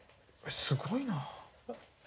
すごいなぁ。